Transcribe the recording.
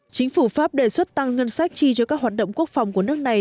chính phủ pháp đề xuất tăng ngân sách chi cho các hoạt động quốc phòng của nước này